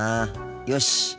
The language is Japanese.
よし。